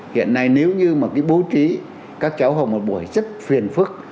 hiện nay nếu như mà cái bố trí các cháu vào một buổi rất phiền phức